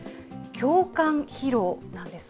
共感疲労なんです。